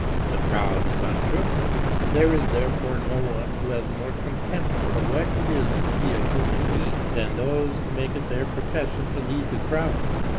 The crowd is untruth. There is therefore no one who has more contempt for what it is to be a human being than those who make it their profession to lead the crowd.